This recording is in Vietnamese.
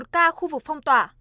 một ca khu vực phong tỏa